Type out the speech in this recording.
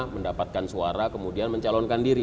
mendapatkan suara kemudian mencalonkan diri